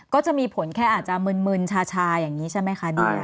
ก็จะมีผลแค่อาจจะมึนชาอย่างนี้ใช่ไหมคะเนี่ย